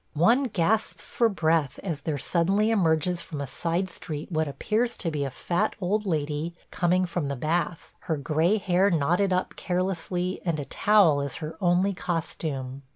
One gasps for breath as there suddenly emerges from a side street what appears to be a fat old lady coming from the bath, her gray hair knotted up carelessly and a towel as her only costume.